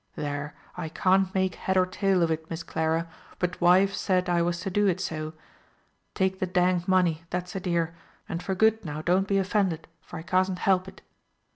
"There, I can't make head or tail of it, Miss Clara, but wife said I was to do it so. Take the danged money, that's a dear, and for good now don't be offended, for I cas'n help it."